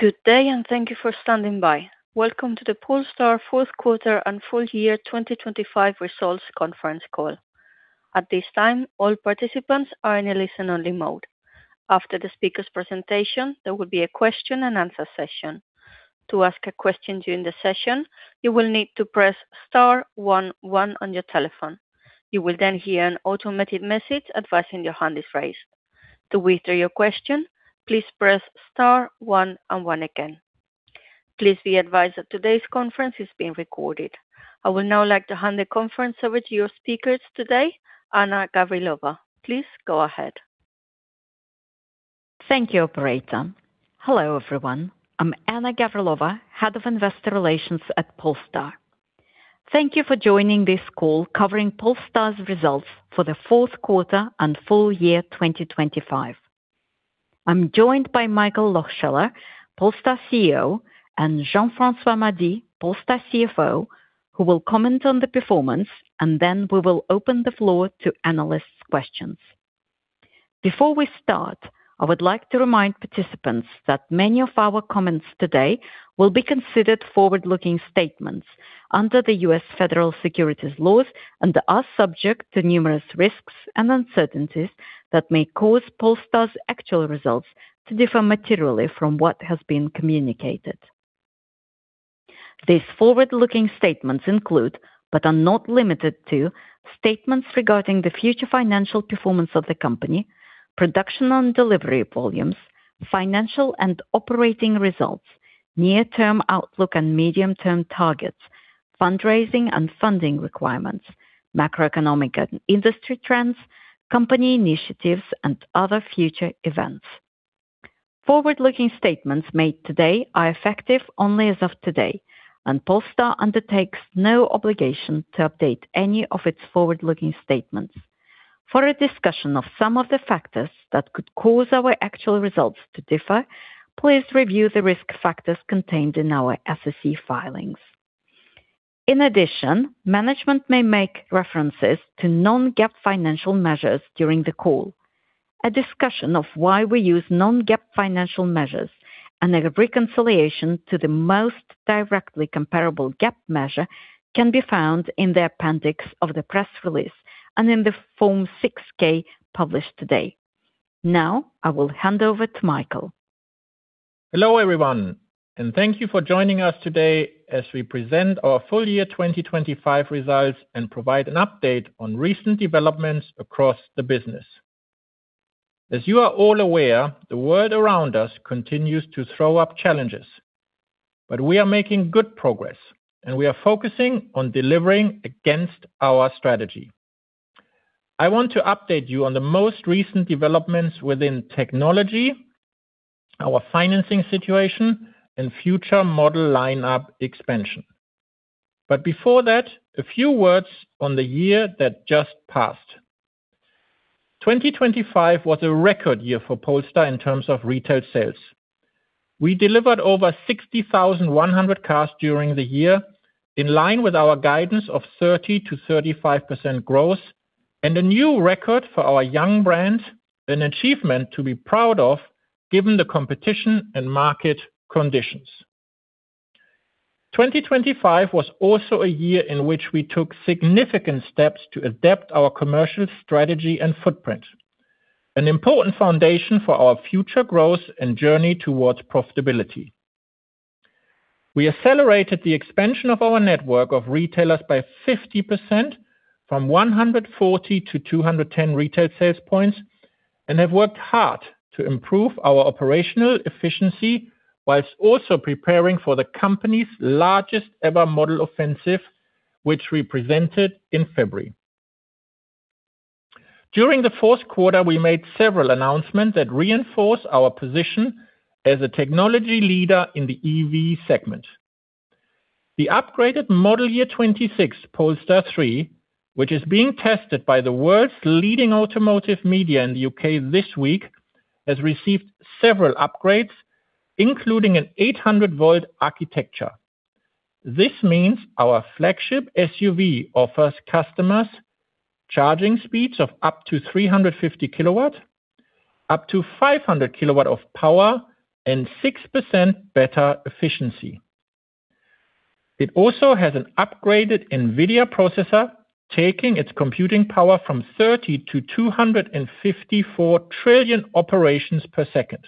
Good day, and thank you for standing by. Welcome to the Polestar fourth quarter and full year 2025 results conference call. At this time, all participants are in a listen-only mode. After the speaker's presentation, there will be a question-and-answer session. To ask a question during the session, you will need to press star one one on your telephone. You will then hear an automated message advising your hand is raised. To withdraw your question, please press star one and one again. Please be advised that today's conference is being recorded. I would now like to hand the conference over to your speakers today, Anna Gavrilova. Please go ahead. Thank you, operator. Hello, everyone. I'm Anna Gavrilova, Head of Investor Relations at Polestar. Thank you for joining this call covering Polestar's results for the fourth quarter and full year 2025. I'm joined by Michael Lohscheller, Polestar CEO, and Jean-François Mady, Polestar CFO, who will comment on the performance, and then we will open the floor to analysts' questions. Before we start, I would like to remind participants that many of our comments today will be considered forward-looking statements under the U.S. Federal Securities laws and are subject to numerous risks and uncertainties that may cause Polestar's actual results to differ materially from what has been communicated. These forward-looking statements include, but are not limited to, statements regarding the future financial performance of the company, production and delivery volumes, financial and operating results, near-term outlook and medium-term targets, fundraising and funding requirements, macroeconomic and industry trends, company initiatives, and other future events. Forward-looking statements made today are effective only as of today, and Polestar undertakes no obligation to update any of its forward-looking statements. For a discussion of some of the factors that could cause our actual results to differ, please review the risk factors contained in our SEC filings. In addition, management may make references to non-GAAP financial measures during the call. A discussion of why we use non-GAAP financial measures and a reconciliation to the most directly comparable GAAP measure can be found in the appendix of the press release and in the Form 6-K published today. Now I will hand over to Michael. Hello, everyone, and thank you for joining us today as we present our full year 2025 results and provide an update on recent developments across the business. As you are all aware, the world around us continues to throw up challenges, but we are making good progress, and we are focusing on delivering against our strategy. I want to update you on the most recent developments within technology, our financing situation, and future model lineup expansion. Before that, a few words on the year that just passed. 2025 was a record year for Polestar in terms of retail sales. We delivered over 60,100 cars during the year, in line with our guidance of 30%-35% growth and a new record for our young brand, an achievement to be proud of given the competition and market conditions. 2025 was also a year in which we took significant steps to adapt our commercial strategy and footprint, an important foundation for our future growth and journey towards profitability. We accelerated the expansion of our network of retailers by 50%, from 140 to 210 retail sales points, and have worked hard to improve our operational efficiency while also preparing for the company's largest ever model offensive, which we presented in February. During the fourth quarter, we made several announcements that reinforce our position as a technology leader in the EV segment. The upgraded model year 2026 Polestar 3, which is being tested by the world's leading automotive media in the U.K. this week, has received several upgrades, including an 800-volt architecture. This means our flagship SUV offers customers charging speeds of up to 350 kW, up to 500 kW of power, and 6% better efficiency. It also has an upgraded NVIDIA processor, taking its computing power from 30 to 254 trillion operations per second.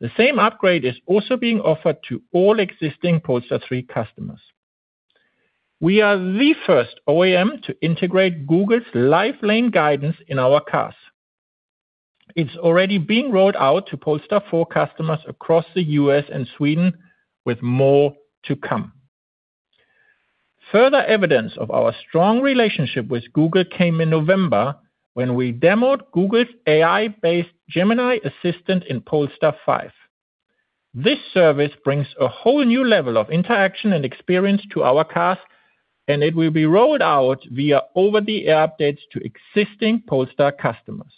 The same upgrade is also being offered to all existing Polestar 3 customers. We are the first OEM to integrate Google's Live Lane Guidance in our cars. It's already being rolled out to Polestar 4 customers across the U.S. and Sweden, with more to come. Further evidence of our strong relationship with Google came in November when we demoed Google's AI-based Gemini assistant in Polestar 5. This service brings a whole new level of interaction and experience to our cars, and it will be rolled out via over-the-air updates to existing Polestar customers.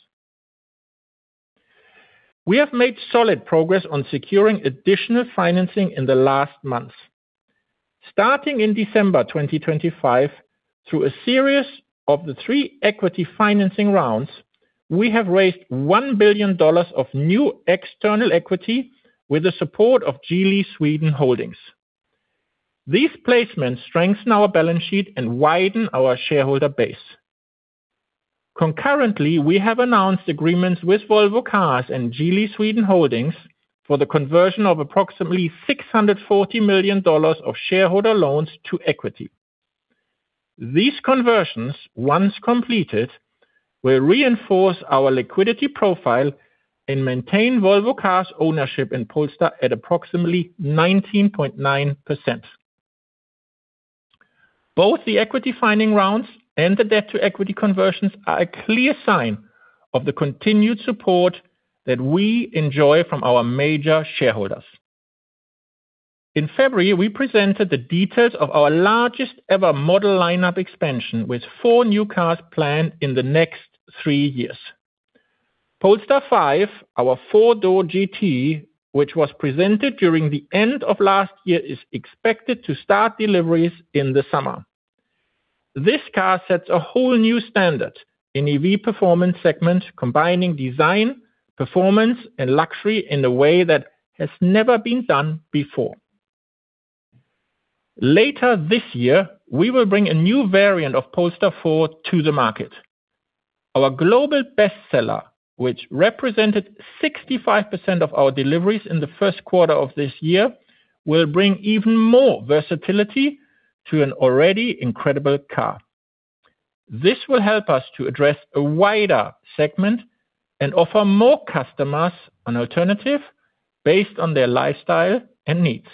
We have made solid progress on securing additional financing in the last months. Starting in December 2025, through a series of the three equity financing rounds, we have raised $1 billion of new external equity with the support of Geely Sweden Holdings. These placements strengthen our balance sheet and widen our shareholder base. Concurrently, we have announced agreements with Volvo Cars and Geely Sweden Holdings for the conversion of approximately $640 million of shareholder loans to equity. These conversions, once completed, will reinforce our liquidity profile and maintain Volvo Cars ownership in Polestar at approximately 19.9%. Both the equity funding rounds and the debt-to-equity conversions are a clear sign of the continued support that we enjoy from our major shareholders. In February, we presented the details of our largest ever model lineup expansion with four new cars planned in the next three years. Polestar 5, our four-door GT, which was presented during the end of last year, is expected to start deliveries in the summer. This car sets a whole new standard in EV performance segment, combining design, performance, and luxury in a way that has never been done before. Later this year, we will bring a new variant of Polestar 4 to the market. Our global best seller, which represented 65% of our deliveries in the first quarter of this year, will bring even more versatility to an already incredible car. This will help us to address a wider segment and offer more customers an alternative based on their lifestyle and needs.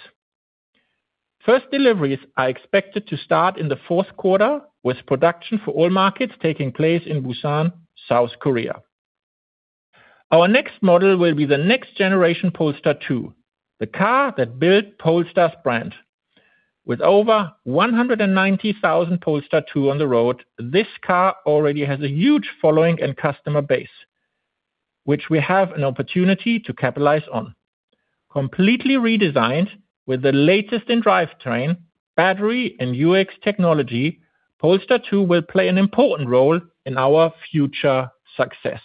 First deliveries are expected to start in the fourth quarter, with production for all markets taking place in Busan, South Korea. Our next model will be the next-generation Polestar 2, the car that built Polestar's brand. With over 190,000 Polestar 2 on the road, this car already has a huge following and customer base, which we have an opportunity to capitalize on. Completely redesigned with the latest in drivetrain, battery, and UX technology, Polestar 2 will play an important role in our future success.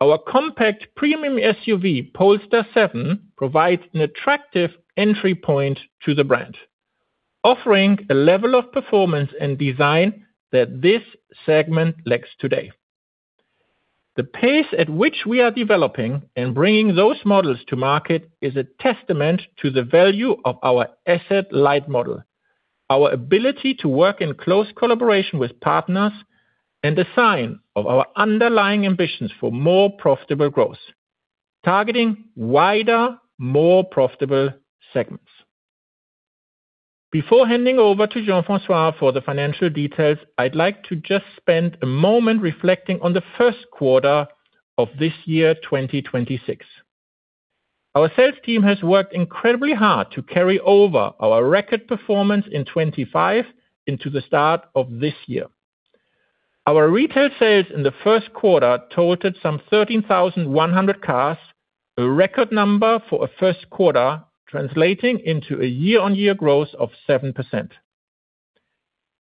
Our compact premium SUV, Polestar 7, provides an attractive entry point to the brand, offering a level of performance and design that this segment lacks today. The pace at which we are developing and bringing those models to market is a testament to the value of our asset-light model, our ability to work in close collaboration with partners, and a sign of our underlying ambitions for more profitable growth, targeting wider, more profitable segments. Before handing over to Jean-François for the financial details, I'd like to just spend a moment reflecting on the first quarter of this year, 2026. Our sales team has worked incredibly hard to carry over our record performance in 2025 into the start of this year. Our retail sales in the first quarter totaled some 13,100 cars, a record number for a first quarter, translating into a year-on-year growth of 7%.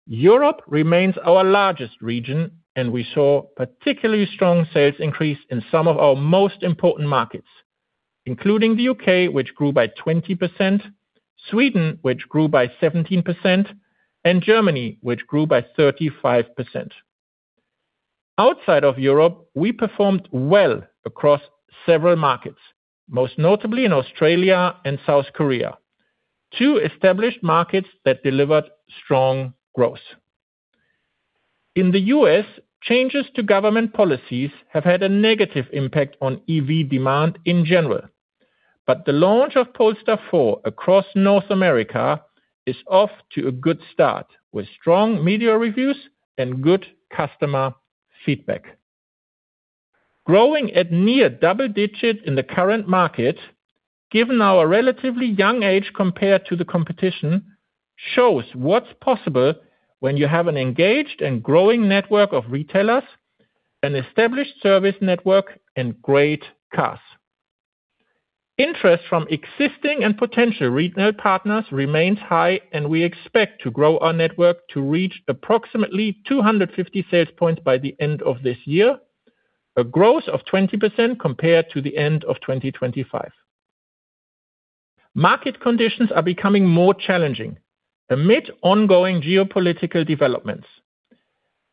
Europe remains our largest region, and we saw particularly strong sales increase in some of our most important markets, including the U.K., which grew by 20%, Sweden, which grew by 17%, and Germany, which grew by 35%. Outside of Europe, we performed well across several markets, most notably in Australia and South Korea, two established markets that delivered strong growth. In the U.S., changes to government policies have had a negative impact on EV demand in general, but the launch of Polestar 4 across North America is off to a good start with strong media reviews and good customer feedback. Growing at near double digit in the current market, given our relatively young age compared to the competition, shows what's possible when you have an engaged and growing network of retailers, an established service network, and great cars. Interest from existing and potential retail partners remains high, and we expect to grow our network to reach approximately 250 sales points by the end of this year, a growth of 20% compared to the end of 2025. Market conditions are becoming more challenging amid ongoing geopolitical developments.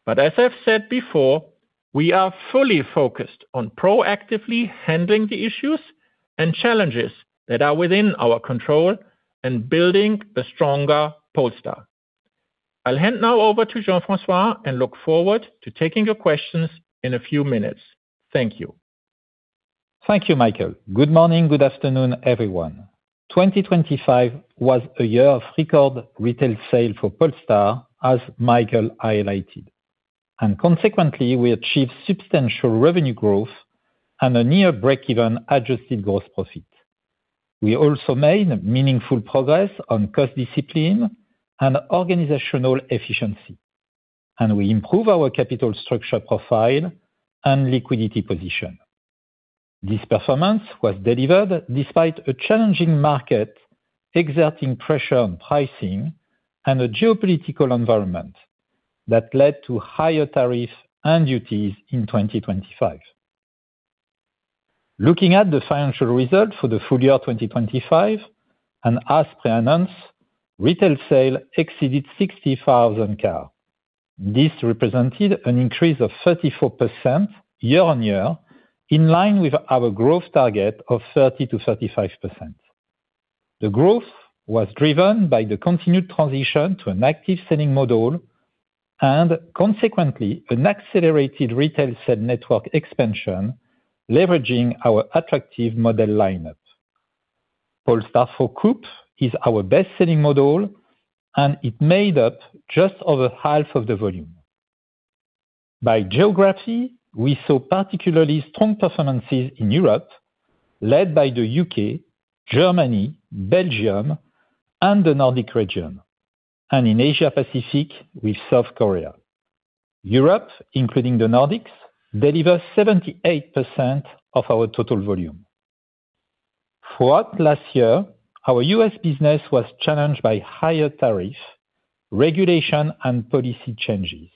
As I've said before, we are fully focused on proactively handling the issues and challenges that are within our control and building a stronger Polestar. I'll hand now over to Jean-François and look forward to taking your questions in a few minutes. Thank you. Thank you, Michael. Good morning, good afternoon, everyone. 2025 was a year of record retail sales for Polestar, as Michael highlighted, and consequently, we achieved substantial revenue growth and a near breakeven adjusted gross profit. We also made meaningful progress on cost discipline and organizational efficiency, and we improved our capital structure profile and liquidity position. This performance was delivered despite a challenging market exerting pressure on pricing and the geopolitical environment that led to higher tariffs and duties in 2025. Looking at the financial results for the full year 2025, as announced, retail sales exceeded 60,000 cars. This represented an increase of 34% year-on-year, in line with our growth target of 30%-35%. The growth was driven by the continued transition to an active selling model and consequently an accelerated retail sales network expansion, leveraging our attractive model lineup. Polestar 4 Coupé is our best-selling model, and it made up just over half of the volume. By geography, we saw particularly strong performances in Europe, led by the U.K., Germany, Belgium, and the Nordic region, and in Asia Pacific with South Korea. Europe, including the Nordics, delivered 78% of our total volume. Throughout last year, our U.S. business was challenged by higher tariff, regulation, and policy changes.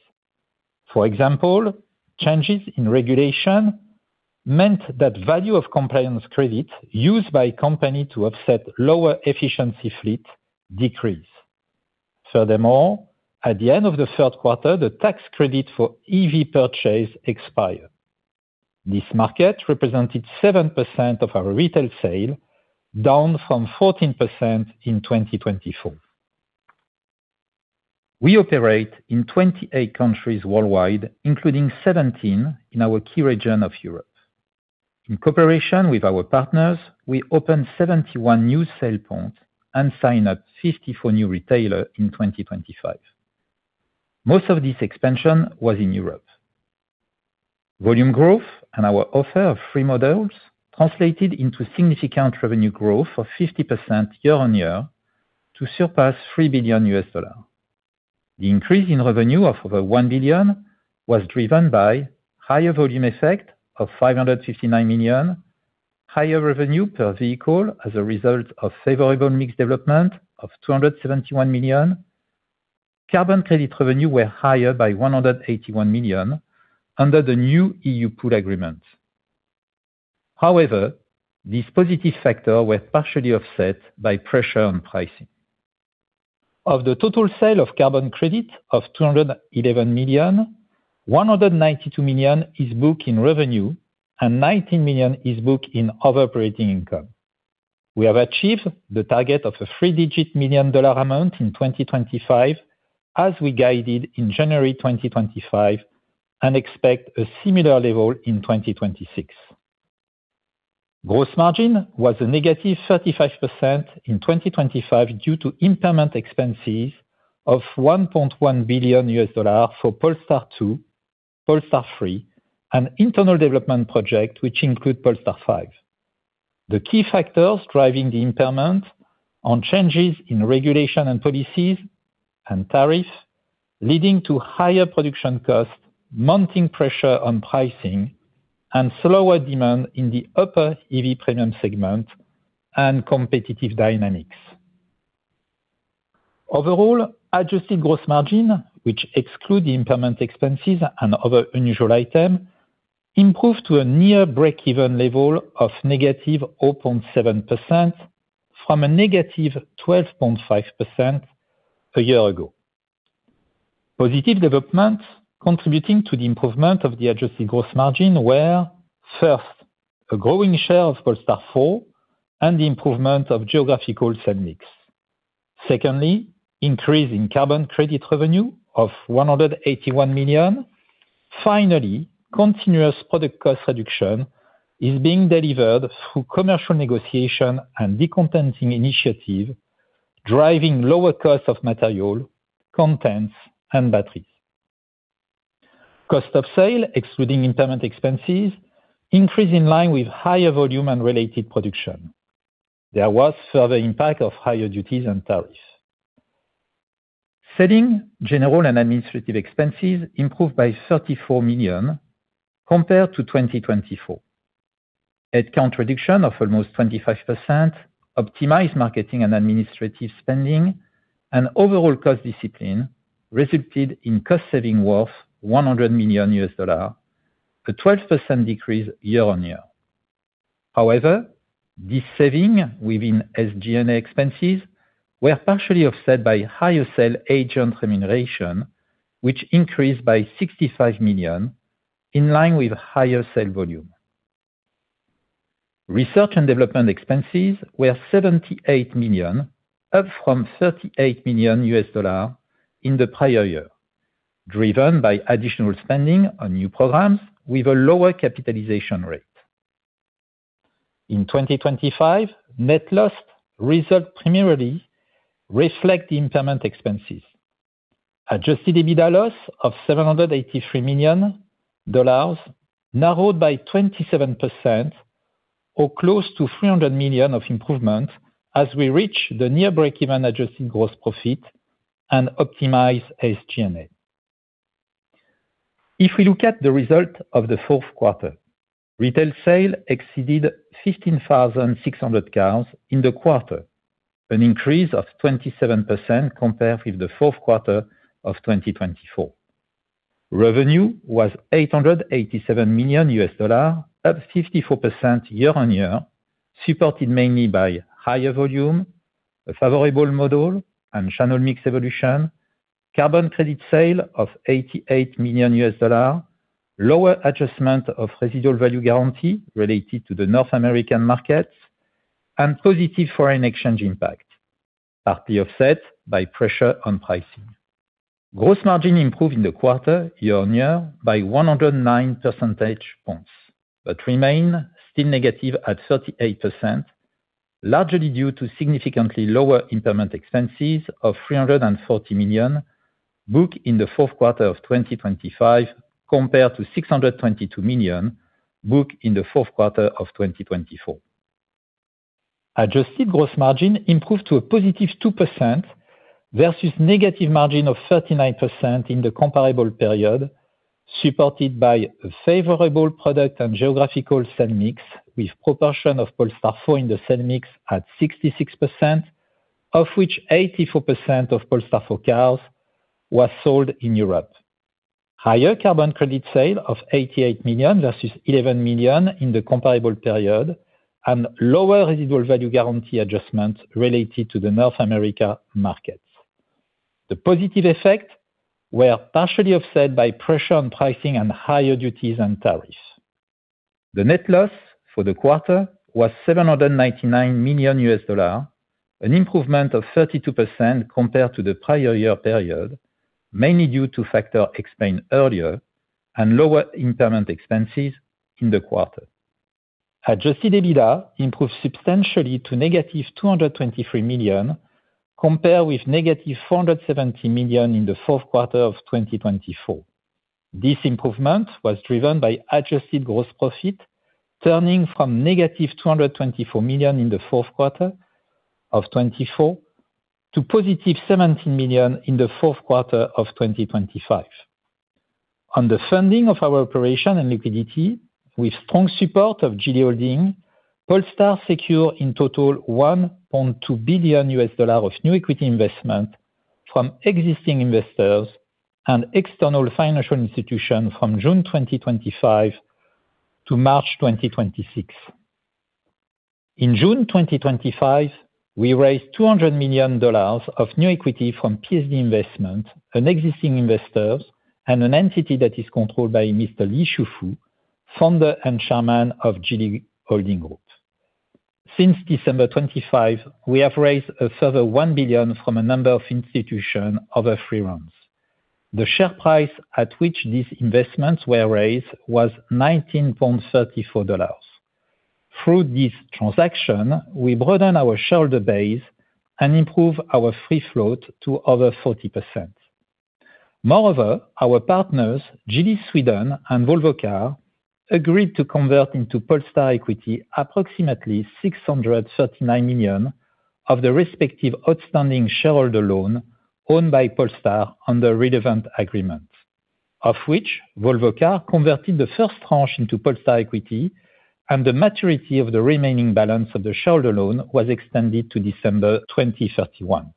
For example, changes in regulation meant that value of compliance credits used by company to offset lower efficiency fleet decreased. Furthermore, at the end of the third quarter, the tax credit for EV purchase expired. This market represented 7% of our retail sale, down from 14% in 2024. We operate in 28 countries worldwide, including 17 in our key region of Europe. In cooperation with our partners, we opened 71 new sale points and signed up 54 new retailers in 2025. Most of this expansion was in Europe. Volume growth and our offer of three models translated into significant revenue growth of 50% year-on-year to surpass $3 billion. The increase in revenue of over $1 billion was driven by higher volume effect of $559 million, higher revenue per vehicle as a result of favorable mix development of $271 million. Carbon credit revenue was higher by $181 million under the new EU pool agreement. However, this positive factor was partially offset by pressure on pricing. Of the total sale of carbon credit of $211 million, $192 million is booked in revenue, and $19 million is booked in other operating income. We have achieved the target of a three-digit million-dollar amount in 2025, as we guided in January 2025 and expect a similar level in 2026. Gross margin was -35% in 2025 due to impairment expenses of $1.1 billion for Polestar 2, Polestar 3, an internal development project which includes Polestar 5. The key factors driving the impairment were changes in regulation and policies and tariffs leading to higher production costs, mounting pressure on pricing, and slower demand in the upper EV premium segment and competitive dynamics. Overall, adjusted gross margin, which excludes the impairment expenses and other unusual items, improved to a near breakeven level of -0.7% from -12.5% a year ago. Positive developments contributing to the improvement of the adjusted gross margin were, first, a growing share of Polestar 4 and the improvement of geographical mix. Secondly, increase in carbon credit revenue of $181 million. Finally, continuous product cost reduction is being delivered through commercial negotiation and decontenting initiative, driving lower cost of material, contents, and batteries. Cost of sales, excluding impairment expenses, increased in line with higher volume and related production. There was further impact of higher duties and tariffs. Selling, general, and administrative expenses improved by $34 million compared to 2024. Headcount reduction of almost 25%, optimized marketing and administrative spending, and overall cost discipline resulted in cost savings worth $100 million, a 12% decrease year-on-year. However, this saving within SG&A expenses were partially offset by higher sales agent remuneration, which increased by $65 million, in line with higher sales volume. Research and development expenses were $78 million, up from $38 million in the prior year, driven by additional spending on new programs with a lower capitalization rate. In 2025, net loss results primarily reflect the impairment expenses. Adjusted EBITDA loss of $783 million narrowed by 27% or close to $300 million of improvement as we reach the near breakeven adjusted gross profit and optimize SG&A. If we look at the result of the fourth quarter, retail sales exceeded 15,600 cars in the quarter, an increase of 27% compared with the fourth quarter of 2024. Revenue was $887 million, up 54% year-over-year, supported mainly by higher volume, a favorable model mix and channel mix evolution, carbon credit sales of $88 million, lower adjustment of residual value guarantee related to the North American markets, and positive foreign exchange impact, partly offset by pressure on pricing. Gross margin improved in the quarter year-over-year by 109 percentage points, but remain still negative at 38%, largely due to significantly lower impairment expenses of $340 million booked in the fourth quarter of 2025, compared to $622 million booked in the fourth quarter of 2024. Adjusted gross margin improved to a +2% versus negative margin of 39% in the comparable period, supported by a favorable product and geographical sales mix, with proportion of Polestar 4 in the sales mix at 66%, of which 84% of Polestar 4 cars were sold in Europe. Higher carbon credit sales of $88 million versus $11 million in the comparable period, and lower residual value guarantee adjustments related to the North American markets. The positive effect were partially offset by pressure on pricing and higher duties and tariffs. The net loss for the quarter was $799 million, an improvement of 32% compared to the prior year period, mainly due to factors explained earlier, and lower impairment expenses in the quarter. Adjusted EBITDA improved substantially to -$223 million, compared with -$470 million in the fourth quarter of 2024. This improvement was driven by adjusted gross profit, turning from -$224 million in the fourth quarter of 2024 to +$17 million in the fourth quarter of 2025. On the funding of our operation and liquidity, with strong support of Geely Holding, Polestar secured in total $1.2 billion of new equity investment from existing investors and external financial institutions from June 2025 to March 2026. In June 2025, we raised $200 million of new equity from PSD Investment, an existing investor, and an entity that is controlled by Mr. Li Shufu, founder and chairman of Geely Holding Group. Since December 25, we have raised a further $1 billion from a number of institutions over three rounds. The share price at which these investments were raised was $19.34. Through this transaction, we broaden our shareholder base and improve our free float to over 40%. Moreover, our partners, Geely Sweden and Volvo Cars, agreed to convert into Polestar equity approximately $639 million of the respective outstanding shareholder loan owned by Polestar under relevant agreement, of which Volvo Cars converted the first tranche into Polestar equity, and the maturity of the remaining balance of the shareholder loan was extended to December 2031.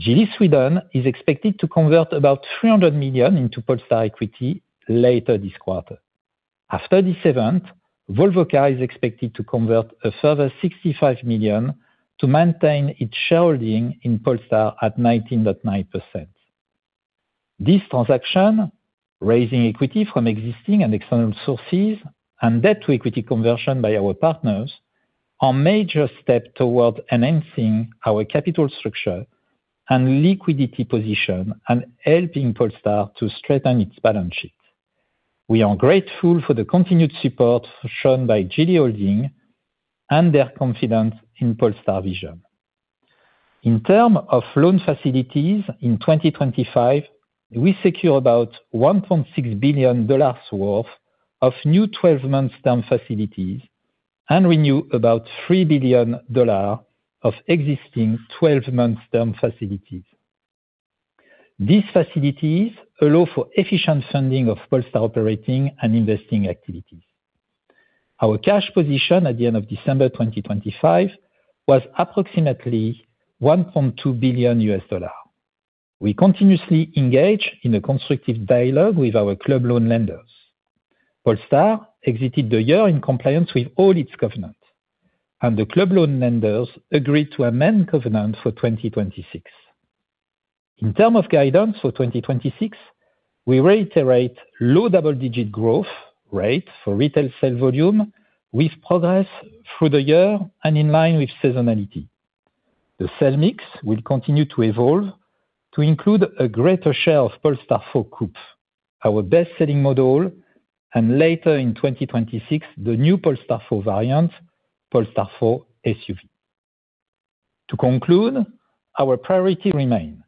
Geely Sweden is expected to convert about $300 million into Polestar equity later this quarter. After this event, Volvo Cars is expected to convert a further $65 million to maintain its shareholding in Polestar at 19.9%. This transaction, raising equity from existing and external sources, and debt-to-equity conversion by our partners, is a major step toward enhancing our capital structure and liquidity position and helping Polestar strengthen its balance sheet. We are grateful for the continued support shown by Geely Holding and their confidence in Polestar's vision. In terms of loan facilities in 2025, we secured about $1.6 billion worth of new 12-month term facilities and renewed about $3 billion of existing 12-month term facilities. These facilities allow for efficient funding of Polestar operating and investing activities. Our cash position at the end of December 2025 was approximately $1.2 billion. We continuously engage in a constructive dialogue with our club loan lenders. Polestar exited the year in compliance with all its covenants, and the club loan lenders agreed to amend covenants for 2026. In terms of guidance for 2026, we reiterate low double-digit growth rate for retail sales volume with progress through the year and in line with seasonality. The sales mix will continue to evolve to include a greater share of Polestar 4 Coupé, our best-selling model, and later in 2026, the new Polestar 4 variant, Polestar 4 SUV. To conclude, our priorities remain,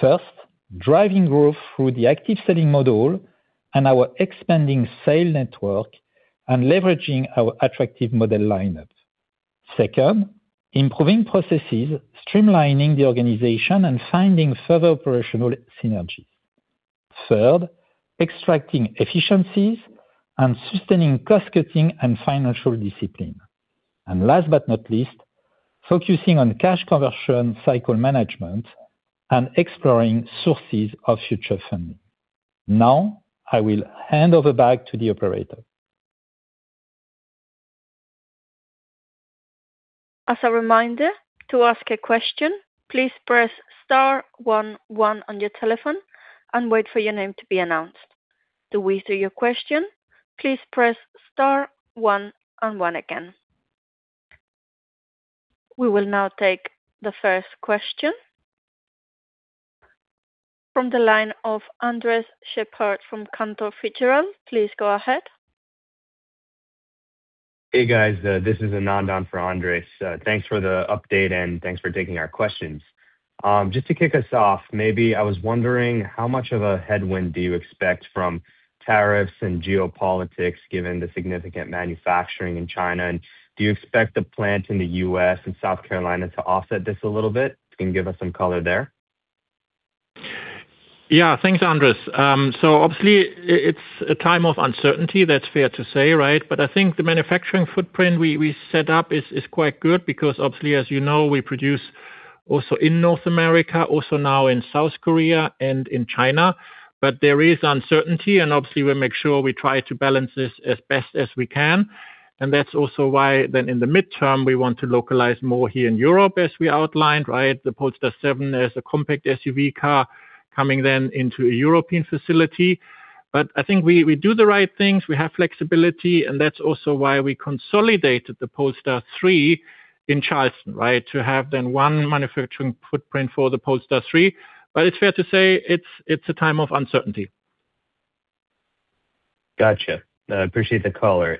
first, driving growth through the active selling model and our expanding sales network and leveraging our attractive model lineup. Second, improving processes, streamlining the organization, and finding further operational synergies. Third, extracting efficiencies and sustaining cost-cutting and financial discipline. Last but not least, focusing on cash conversion cycle management and exploring sources of future funding. Now, I will hand it back to the operator. As a reminder, to ask a question, please press star one one on your telephone and wait for your name to be announced. To withdraw your question, please press star one and one again. We will now take the first question. From the line of Andres Sheppard from Cantor Fitzgerald. Please go ahead. Hey, guys. This is Ananda for Andres. Thanks for the update, and thanks for taking our questions. Just to kick us off, maybe, I was wondering how much of a headwind do you expect from tariffs and geopolitics, given the significant manufacturing in China, and do you expect the plant in the U.S. and South Carolina to offset this a little bit? Can you give us some color there? Yeah. Thanks, Andres. Obviously, it's a time of uncertainty, that's fair to say, right? I think the manufacturing footprint we set up is quite good because obviously, as you know, we produce also in North America, also now in South Korea and in China. There is uncertainty, and obviously we make sure we try to balance this as best as we can. That's also why then in the midterm, we want to localize more here in Europe, as we outlined, right? The Polestar 7 as a compact SUV car coming then into a European facility. I think we do the right things. We have flexibility, and that's also why we consolidated the Polestar 3 in Charleston, right? To have then one manufacturing footprint for the Polestar 3. It's fair to say it's a time of uncertainty. Gotcha. I appreciate the color.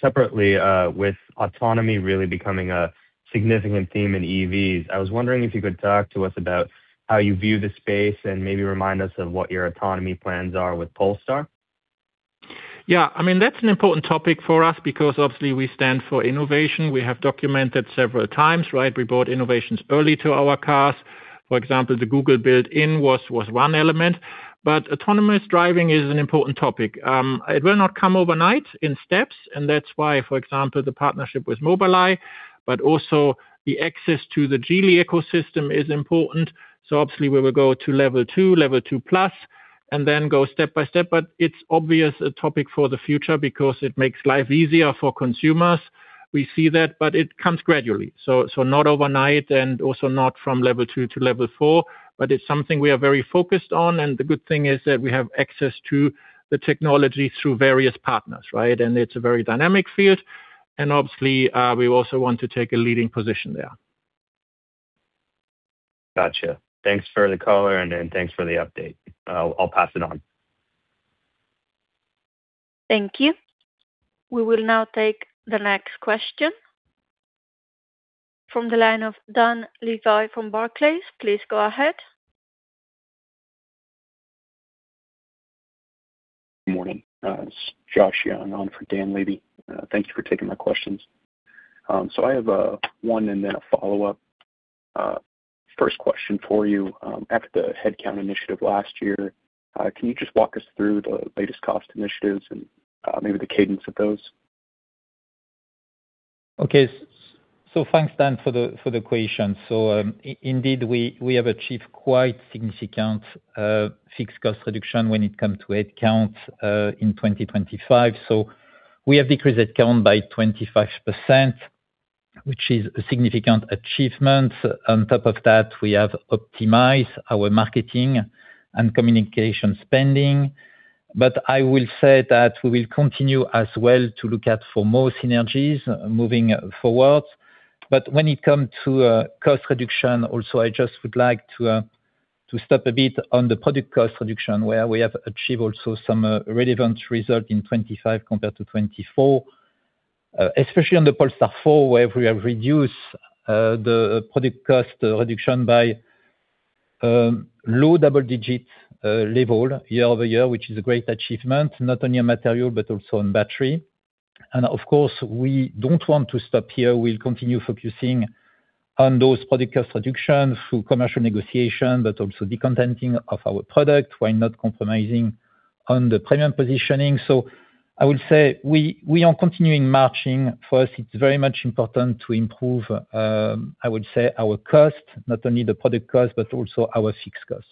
Separately, with autonomy really becoming a significant theme in EVs, I was wondering if you could talk to us about how you view the space and maybe remind us of what your autonomy plans are with Polestar. Yeah, that's an important topic for us because obviously we stand for innovation. We have documented several times, right? We brought innovations early to our cars. For example, the Google built-in was one element. Autonomous driving is an important topic. It will not come overnight, in steps, and that's why, for example, the partnership with Mobileye, but also the access to the Geely ecosystem is important. Obviously we will go to Level 2, Level 2 plus, and then go step by step. It's obvious a topic for the future because it makes life easier for consumers. We see that. It comes gradually, so not overnight and also not from Level 2 to Level 4, but it's something we are very focused on. The good thing is that we have access to the technology through various partners, right? It's a very dynamic field. Obviously, we also want to take a leading position there. Gotcha. Thanks for the color and then thanks for the update. I'll pass it on. Thank you. We will now take the next question. From the line of Dan Levy from Barclays. Please go ahead. Morning. It's Josh Young on for Dan Levy. Thank you for taking my questions. I have one and then a follow-up. First question for you. After the headcount initiative last year, can you just walk us through the latest cost initiatives and maybe the cadence of those? Okay. Thanks, Dan, for the question. Indeed, we have achieved quite significant fixed cost reduction when it comes to headcount in 2025. We have decreased headcount by 25%, which is a significant achievement. On top of that, we have optimized our marketing and communication spending. I will say that we will continue as well to look out for more synergies moving forward. When it comes to cost reduction also, I just would like to stop a bit on the product cost reduction, where we have achieved also some relevant result in 2025 compared to 2024. Especially on the Polestar 4, where we have reduced the product cost reduction by low double digits level year-over-year, which is a great achievement, not only on material but also on battery. Of course, we don't want to stop here. We'll continue focusing on those product cost reductions through commercial negotiation, but also decontenting of our product, while not compromising on the premium positioning. I would say we are continuing marching. For us, it's very much important to improve, I would say, our cost, not only the product cost but also our fixed cost.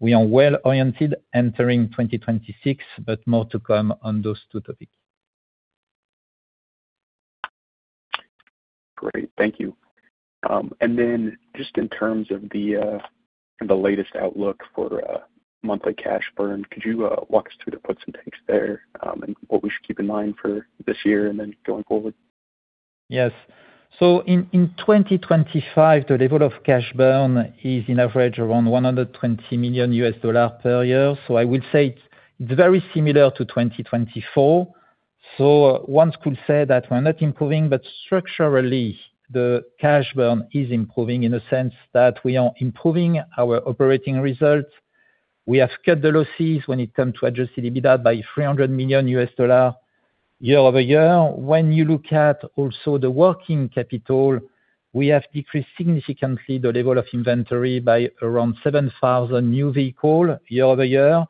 We are well-oriented entering 2026, but more to come on those two topics. Great. Thank you. Just in terms of the latest outlook for monthly cash burn, could you walk us through the puts and takes there, and what we should keep in mind for this year and then going forward? Yes. In 2025, the level of cash burn is in average around $120 million per year. I would say it's very similar to 2024. One could say that we're not improving, but structurally, the cash burn is improving in a sense that we are improving our operating results. We have cut the losses when it comes to adjusted EBITDA by $300 million year-over-year. When you look at also the working capital, we have decreased significantly the level of inventory by around 7,000 new vehicles year-over-year.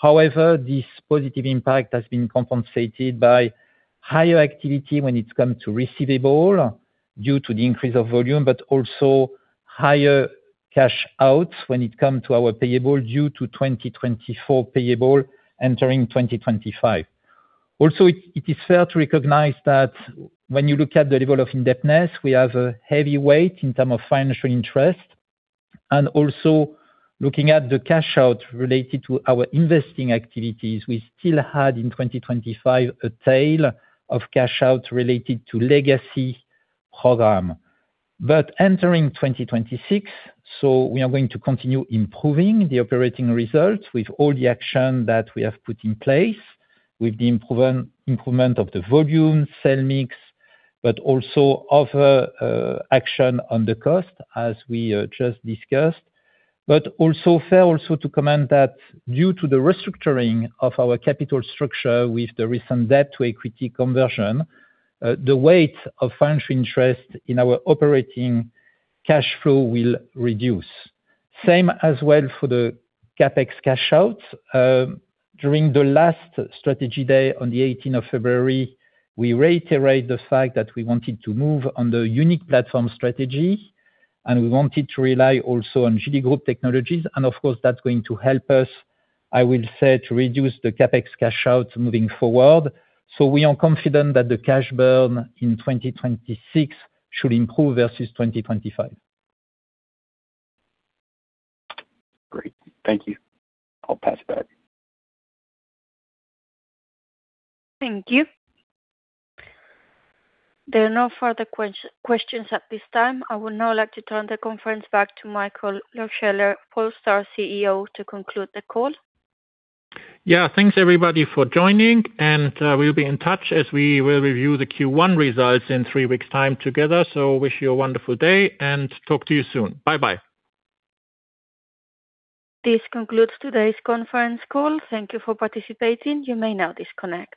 However, this positive impact has been compensated by higher activity when it comes to receivables due to the increase of volume, but also higher cash outs when it comes to our payables due to 2024 payables entering 2025. It is fair to recognize that when you look at the level of indebtedness, we have a heavy weight in terms of financial interest, and also looking at the cash out related to our investing activities. We still had, in 2025, a tail of cash out related to legacy program. Entering 2026, so we are going to continue improving the operating results with all the action that we have put in place, with the improvement of the volume, sales mix, but also other action on the cost as we just discussed. Also fair also to comment that due to the restructuring of our capital structure with the recent debt-to-equity conversion, the weight of financial interest in our operating cash flow will reduce. Same as well for the CapEx cash out. During the last strategy day on the eighteenth of February, we reiterated the fact that we wanted to move on the unique platform strategy, and we wanted to rely also on Geely Group technologies. Of course, that's going to help us, I will say, to reduce the CapEx cash out moving forward. We are confident that the cash burn in 2026 should improve versus 2025. Great. Thank you. I'll pass it back. Thank you. There are no further questions at this time. I would now like to turn the conference back to Michael Lohscheller, Polestar CEO, to conclude the call. Yeah. Thanks everybody for joining, and we'll be in touch as we will review the Q1 results in three weeks time together. Wish you a wonderful day, and talk to you soon. Bye-bye. This concludes today's conference call. Thank you for participating. You may now disconnect.